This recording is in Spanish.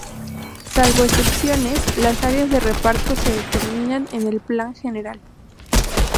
Salvo excepciones, las áreas de reparto se determinan en el Plan General.